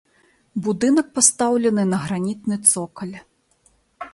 Будынак пастаўлены на гранітны цокаль.